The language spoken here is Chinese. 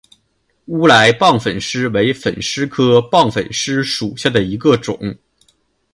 乌来棒粉虱为粉虱科棒粉虱属下的一个种。